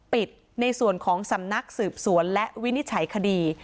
ในส่วนของสำนักสืบสวนและวินิจฉัยคดี